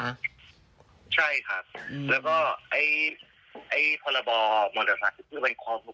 อ่ะมันก็มีอยู่แล้วไหมพี่ค่ะ